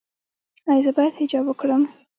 ایا زه باید حجاب وکړم؟